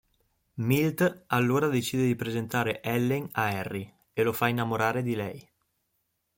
Milt allora decide di presentare Ellen a Harry e lo fa innamorare di lei.